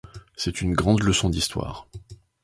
C'est une grande leçon de l'histoire.